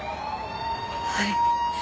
はい。